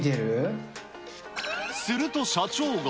すると社長が。